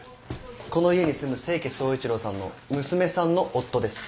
この家に住む清家総一郎さんの娘さんの夫です。